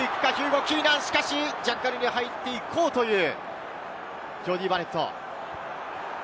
ジャッカルに入っていこうという、ジョーディー・バレット。